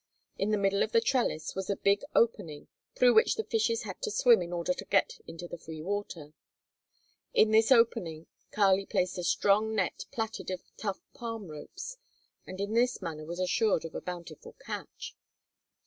In the middle of the trellis was a big opening through which the fishes had to swim in order to get into the free water. In this opening Kali placed a strong net plaited of tough palm ropes, and in this manner was assured of a bountiful catch.